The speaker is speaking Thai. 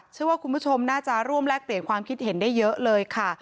เชื่อว่าคุณผู้ชมน่าจะร่วมแลกเปลี่ยนความคิดเห็นได้เยอะเลยค่ะ